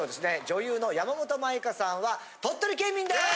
女優の山本舞香さんは鳥取県民です！